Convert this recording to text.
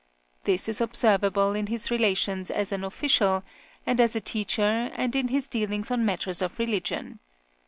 This is observable in his relations as an official, and as a teacher, and in his dealings on matters of religion.